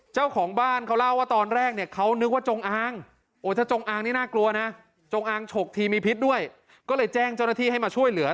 จงอ้างฉกทีมีพิษด้วยก็เลยแจ้งเจ้าหน้าที่ให้มาช่วยเหลือ